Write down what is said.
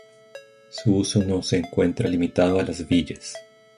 Su uso no se encuentra limitado a las villas.